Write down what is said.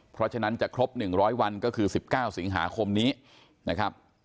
เพราะฉะนั้นจะครบ๑๐๐วันก็คือ๑๙สิงหาคมนี้นะครับ